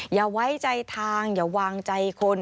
อย่าไว้ใจทางอย่าวางใจคน